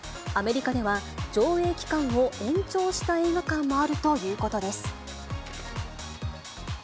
アメリカでは、上映期間を延長した映画館もあるということです。